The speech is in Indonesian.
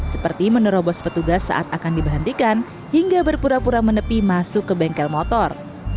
seperti menerobos petugas saat akan diberhentikan hingga berpura pura menepi masuk ke bengkel motor